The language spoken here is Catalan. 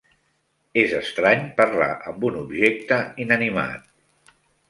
És estrany parlar amb un objecte inanimat.